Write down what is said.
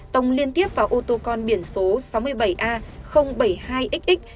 tông liên tiếp vào ô tô con biển số sáu mươi bảy a bảy mươi hai xx